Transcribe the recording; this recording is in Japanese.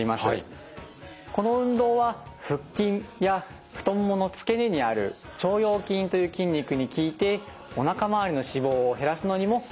この運動は腹筋や太もものつけ根にある腸腰筋という筋肉に効いておなか回りの脂肪を減らすのにも効果があります。